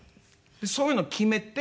そういうの決めて。